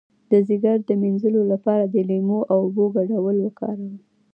د ځیګر د مینځلو لپاره د لیمو او اوبو ګډول وکاروئ